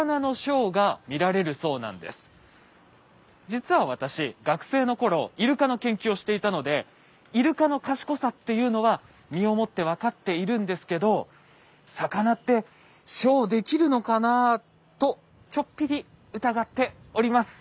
実は私学生のころイルカの研究をしていたのでイルカの賢さっていうのは身をもって分かっているんですけど「魚ってショーできるのかな？」とちょっぴり疑っております。